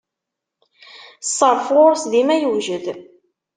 Ṣṣeṛf ɣuṛ-s dima yewjed.